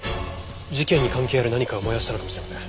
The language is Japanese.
事件に関係ある何かを燃やしたのかもしれません。